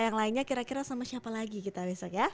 yang lainnya kira kira sama siapa lagi kita besok ya